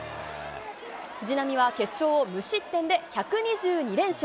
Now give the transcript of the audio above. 藤波は決勝を無失点で１２２連勝。